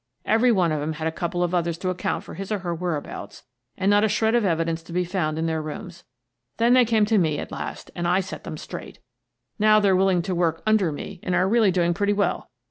Every one of 'em had a couple of others to account for his or her whereabouts, and not a shred of evidence to be found in their rooms. Then they came to me at last and I set them straight. Now they are willing to 102 Miss Frances Baird, Detective work under me and are really doing pretty well.